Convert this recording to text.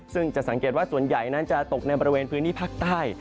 ซึ่งจะสังเกตว่าส่วนใหญ่นั้นจะตกในบริเวณพื้นที่ภาคใต้